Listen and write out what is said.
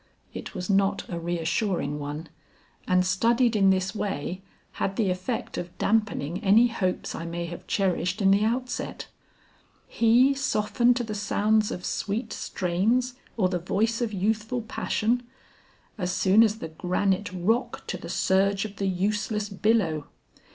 It was not a reassuring one, and studied in this way, had the effect of dampening any hopes I may have cherished in the outset. He soften to the sounds of sweet strains or the voice of youthful passion! As soon as the granite rock to the surge of the useless billow.